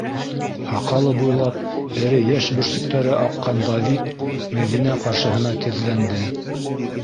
- Һаҡалы буйлап эре йәш бөрсөктәре аҡҡан Давид Мәҙинә ҡаршыһына теҙләнде.